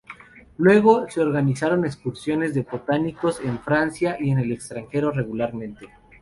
Luego, se organizaron excursiones de botánicos, en Francia y en el extranjero, regularmente.